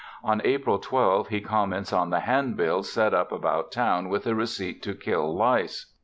On April 12 he comments on the handbills set up about town with a receipt to kill lice.